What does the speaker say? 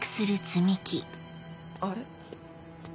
あれ？